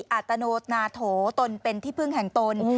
อัตโถเป็นที่พึ่งแห่งตน